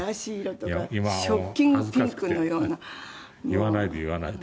言わないで言わないで。